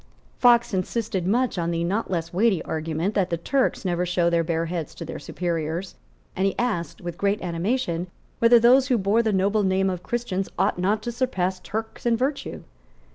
Fox insisted much on the not less weighty argument that the Turks never show their bare heads to their superiors; and he asked, with great animation, whether those who bore the noble name of Christians ought not to surpass Turks in virtue.